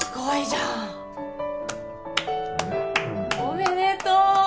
なんおめでとう！